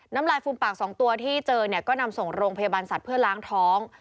น้ำลายฟูมปาก๒ตัวที่เจอเนี่ยก็นำส่งโรงพยาบาลสัตว์เพื่อล้างท้อง